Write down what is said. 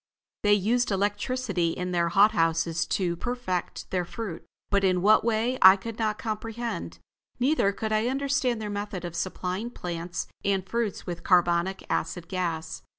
They used electricity in their hot houses to perfect their fruit, but in what way I could not comprehend; neither could I understand their method of supplying plants and fruits with carbonic acid gas.